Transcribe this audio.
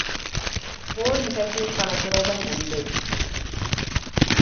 போர் நிகழ்ச்சியில் பல துறைகள் உண்டு.